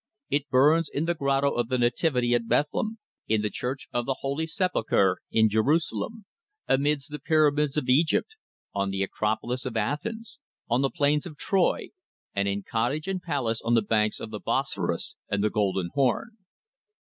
It burns in the grotto of the Nativity at Bethlehem; in the Church of the Holy Sepulchre in Jerusalem; amidst the Pyramids of Egypt; on the Acropolis of Athens; on the plains of Troy; and in cottage and palace on the banks of the Bosporus and the Golden Horn."